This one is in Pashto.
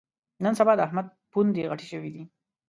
نن سبا د احمد پوندې غټې شوې دي.